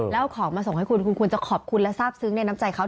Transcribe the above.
แล้วเอาของมาส่งให้คุณคุณควรจะขอบคุณและทราบซึ้งในน้ำใจเขา